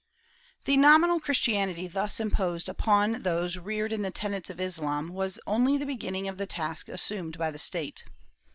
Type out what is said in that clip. The nominal Christianity thus imposed upon those reared in the tenets of Islam was only the beginning of the task assumed by the state.